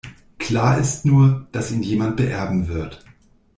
Klar ist nur, das ihn jemand beerben wird.